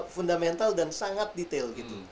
fundamental dan sangat detail